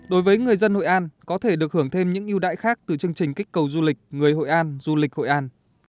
đối với người dân hội an có thể được hưởng thêm những yêu đại khác từ chương trình kích cầu du lịch người hội an du lịch hội an